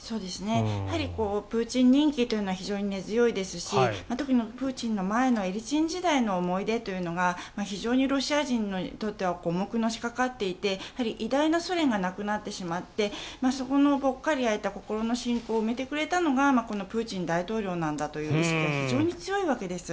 プーチン人気というのは非常に根強いですし特にプーチンの前のエリツィン時代の思い出というのが非常にロシア人にとっては重くのしかかっていて偉大なソ連がなくなってしまってそこのぽっかり開いた心を埋めてくれたのがこのプーチン大統領なんだということが非常に強いわけです。